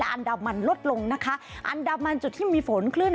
อันดามันลดลงนะคะอันดามันจุดที่มีฝนคลื่น